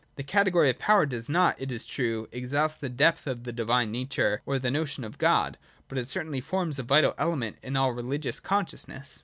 The category of power does not, it is true, exhaust the depth of the divine nature or the notion of God ; but it certainly forms a vital element in all religious consciousness.